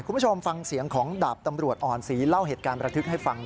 คุณผู้ชมฟังเสียงของดาบตำรวจอ่อนศรีเล่าเหตุการณ์ประทึกให้ฟัง